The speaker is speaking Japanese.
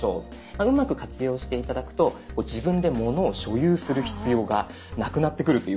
うまく活用して頂くと自分で物を所有する必要がなくなってくるといわれています。